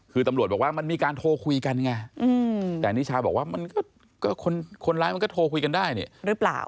คือตำรวจบอกว่ามันมีการโทรคุยกันไงแต่นิชาบอกว่ามันก็คนร้ายมันก็โทรคุยกันได้เนี่ยหรือเปล่า